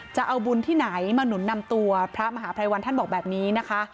จะเอาบุญที่ไหนมาหนุนนำตัวพระมหาภัยวันท่านบอกแบบนี้นะคะ